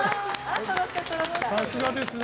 さすがですね。